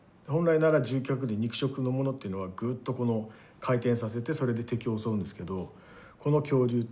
本来なら獣脚類肉食のものというのはグッとこの回転させてそれで敵を襲うんですけどこの恐竜